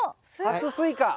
初スイカ。